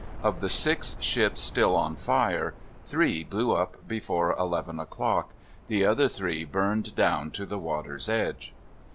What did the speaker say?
Of the six ships still on fire, three blew up before eleven o'clock; the other three burned down to the water's edge.